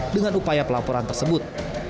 dengan upaya pelaporan tersebut